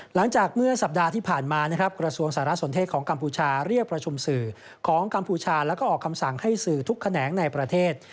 หลังจากเมื่อสัปดาห์ที่ผ่านมานะครับกระทรวงสารสนเทศของกัมพูชาเรียกประชุมสื่อของกัมพูชาแล้วก็ออกคำสั่งให้สื่อทุกแขนงในประเทศ